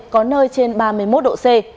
có nơi trên ba mươi một độ c